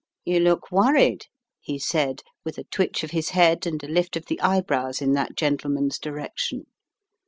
"^ "You look worried," he said, with a twitch of his head and a lift of the eyebrows in that gentle man's direction.